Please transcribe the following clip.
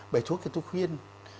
bài thuốc thì tôi khuyên